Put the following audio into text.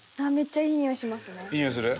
いいにおいする？